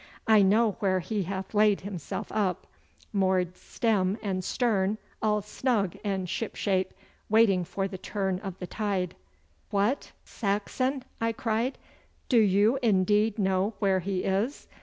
I know where he hath laid himself up, moored stem and stern, all snug and shipshape, waiting for the turn of the tide.' 'What, Saxon!' I cried. 'Do you indeed know where he is?